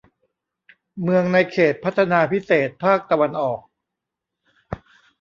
เมืองในเขตพัฒนาพิเศษภาคตะวันออก